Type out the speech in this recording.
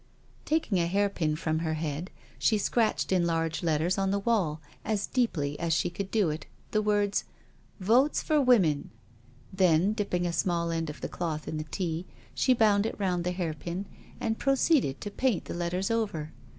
Taking a hairpin from her head she scratched in large letters on the wall, as deeply as she could do it, the words, *• Votes for Women." Then, dipping a small end of the cloth in the tea she bound it round the hairpin and proceeded to paint the letters over.